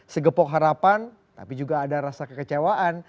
segepok harapan tapi juga ada rasa kekecewaan